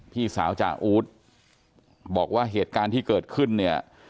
พี่สาวจ่าอู๊ดบอกว่าเหตุการณ์ที่เกิดขึ้นเนี่ย